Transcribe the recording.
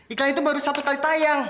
ikan itu baru satu kali tayang